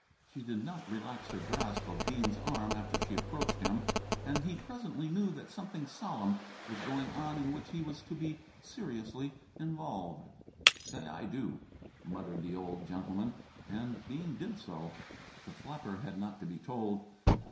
She did not relax her grasp of Bean's arm after she approached him, and he presently knew that something solemn was going on in which he was to be seriously involved. "Say, 'I do,'" muttered the old gentleman, and Bean did so. The flapper had not to be told.